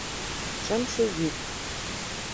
Шымше йӱк.